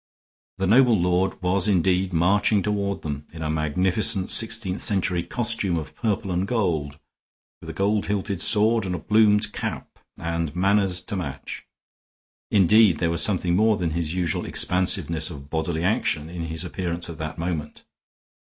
The noble lord was indeed marching toward them in a magnificent sixteenth century costume of purple and gold, with a gold hilted sword and a plumed cap, and manners to match. Indeed, there was something more than his usual expansiveness of bodily action in his appearance at that moment.